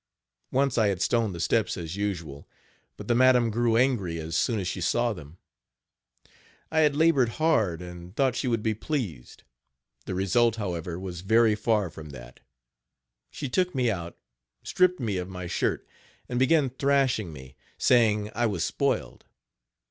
Once I had stoned the steps as usual, but the madam grew angry as soon as she saw them. I had labored hard, and thought she would be pleased. The result, Page 74 however, was very far from that. She took me out, stripped me of my shirt and began thrashing me, saying I was spoiled.